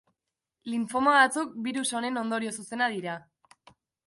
Linfoma batzuk birus honen ondorio zuzena dira.